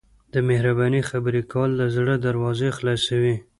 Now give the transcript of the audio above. د مهربانۍ خبرې کول د زړه دروازې خلاصوي.